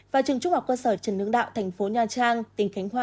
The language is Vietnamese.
và trường trung học cơ sở trần hưng đạo thành phố nha trang tỉnh khánh hòa